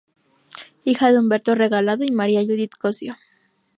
Hija de Humberto Regalado y Maria Judith Cossío.